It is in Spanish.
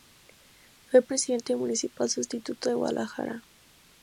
Fue Presidente Municipal sustituto de Guadalajara.